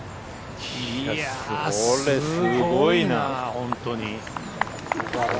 いやすごいな本当に。